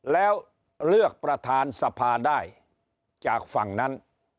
แล้วเลือกประธานสภาได้จากฝั่งนั้น